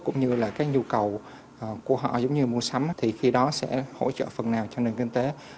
cũng như là các nhu cầu của họ giống như mua sắm thì khi đó sẽ hỗ trợ phần nào cho nền kinh tế